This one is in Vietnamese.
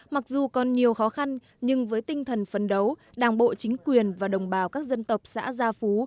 mặc dù còn nhiều khó khăn nhưng với tinh thần phấn đấu đảng bộ chính quyền và đồng bào các dân tộc xã gia phú